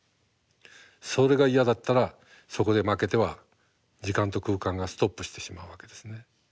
それが嫌だったらそこで負けては時間と空間がストップしてしまうわけですね。